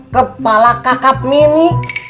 kepala kakak mini